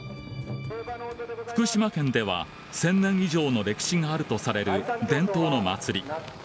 福島県では１０００年以上の歴史があるとされる伝統の祭り